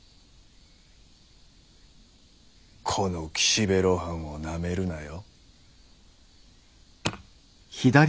この岸辺露伴をなめるなよ。